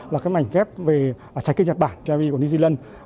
là cái mảnh ghép về trái cây nhật bản cherry của new zealand